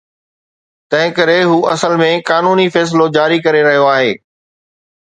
تنهنڪري هو اصل ۾ قانوني فيصلو جاري ڪري رهيو آهي